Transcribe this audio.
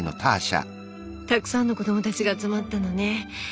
たくさんの子供たちが集まったのね。